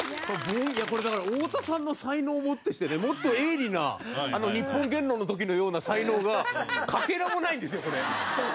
これだから太田さんの才能を持ってしてねもっと鋭利な『日本原論』の時のような才能がかけらもないんですよこれ。